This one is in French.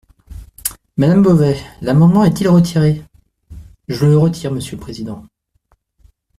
Madame Beauvais, l’amendement est-il retiré ? Je le retire, monsieur le président.